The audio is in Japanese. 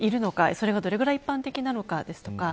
それがどれぐらい一般的なのかとか。